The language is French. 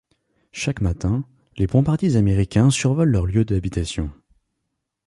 Chaque matin, les bombardiers américains survolent leur lieu d'habitation.